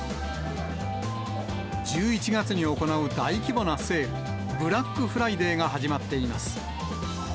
１１月に行う大規模なセール、ブラックフライデーが始まっています。